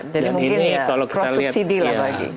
jadi mungkin ya cross subsidi lah bagi